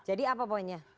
jadi apa poinnya